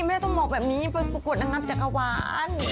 แม่ต้องบอกแบบนี้ไปประกวดนางงามจักรวาล